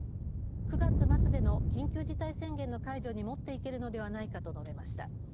９月末での緊急事態宣言の解除にもっていけるのではないかと述べました。